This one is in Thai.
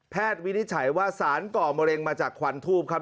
วินิจฉัยว่าสารก่อมะเร็งมาจากควันทูปครับ